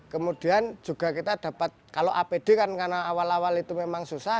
kemudian juga kita dapat kalau apd kan karena awal awal itu memang susah